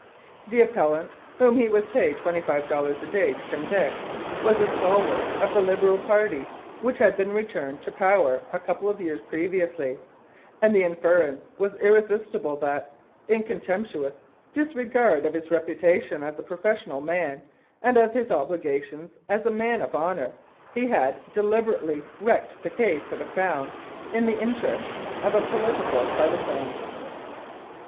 The appellant, whom he was paid $25 a day to convict, was a stalwart of the Liberal party, which had been returned to power a couple of years previously, and the inference was irresistible that, in contemptuous disregard of his reputation as a professional man and of his obligations as a man of honour, he had de liberately wrecked the case for the Crown in the interests of a political partisan.